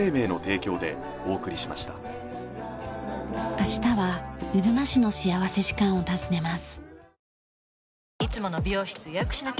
明日はうるま市の幸福時間を訪ねます。